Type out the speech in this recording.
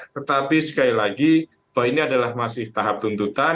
tetapi sekali lagi bahwa ini adalah masih tahap tuntutan